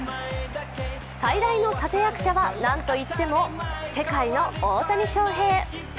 最大の立て役者は、なんと言っても世界の大谷翔平。